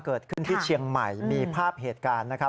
เกิดขึ้นที่เชียงใหม่มีภาพเหตุการณ์นะครับ